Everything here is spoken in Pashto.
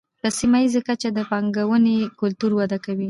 په سیمه ییزه کچه د پانګونې کلتور وده کوي.